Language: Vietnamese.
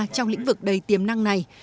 trong lĩnh vực đầy tiềm năng này